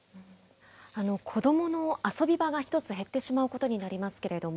子どもの遊び場が一つ減ってしまうことになりますけれども、